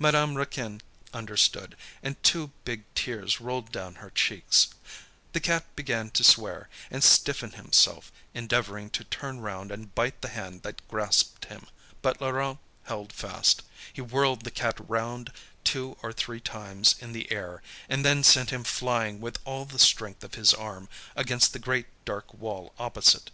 Madame Raquin understood, and two big tears rolled down her cheeks. The cat began to swear, and stiffen himself, endeavouring to turn round and bite the hand that grasped him. But Laurent held fast. He whirled the cat round two or three times in the air, and then sent him flying with all the strength of his arm, against the great dark wall opposite.